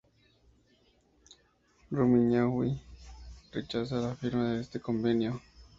Rumiñahui rechaza la firma de este convenio.